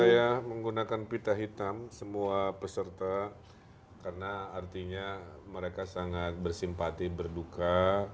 saya menggunakan pita hitam semua peserta karena artinya mereka sangat bersimpati berduka